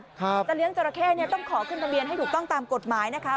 จะเลี้ยงจราเข้เนี่ยต้องขอขึ้นทะเบียนให้ถูกต้องตามกฎหมายนะคะ